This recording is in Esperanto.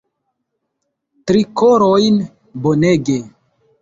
Tri korojn, bonege